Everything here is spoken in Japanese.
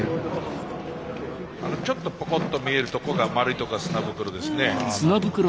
ちょっとぽこっと見えるとこが丸いとこが砂袋ですね。